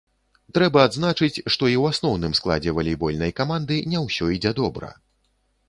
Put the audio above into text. Трэба адзначыць, што і ў асноўным складзе валейбольнай каманды не ўсё ідзе добра.